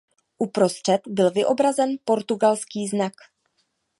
Uprostřed byl vyobrazen portugalský znak.